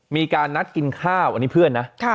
มีการนัดกินข้าวอันนี้เพื่อนนะ